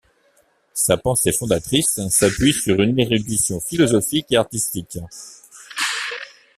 Sa pensée fondatrice s’appuie sur une érudition philosophique et artistique.